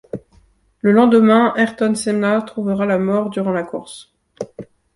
Le lendemain, Ayrton Senna trouvera la mort durant la course.